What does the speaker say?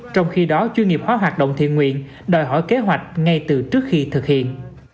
trong khi đó chuyên nghiệp hóa hoạt động thiện nguyện đòi hỏi kế hoạch ngay từ trước khi thực hiện